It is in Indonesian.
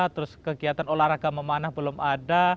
terus kegiatan olahraga memanah belum ada